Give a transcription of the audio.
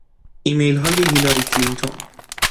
ایمیل های هیلاری کلینتون